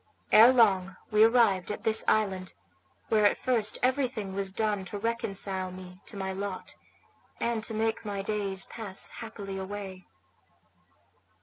Ere long we arrived at this island, where at first everything was done to reconcile me to my lot, and to make my days pass happily away.